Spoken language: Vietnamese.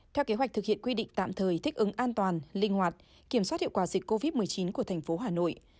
theo kế hoạch thực hiện quy định tạm thời thích ứng an toàn linh hoạt kiểm soát hiệu quả dịch covid một mươi chín của thành phố hà nội